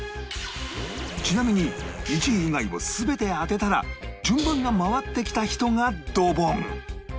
ちなみに１位以外を全て当てたら順番が回ってきた人がドボン